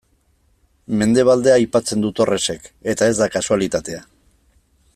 Mendebaldea aipatzen du Torresek, eta ez da kasualitatea.